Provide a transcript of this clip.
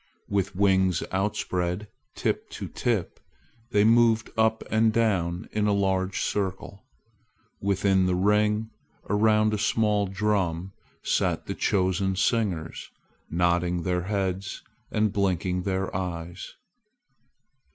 With wings outspread, tip to tip, they moved up and down in a large circle. Within the ring, around a small drum, sat the chosen singers, nodding their heads and blinking their eyes.